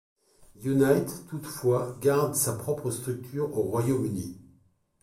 Unite toutefois garde sa propre structure au Royaume-Uni.